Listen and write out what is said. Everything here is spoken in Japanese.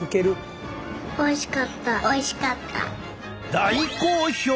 大好評！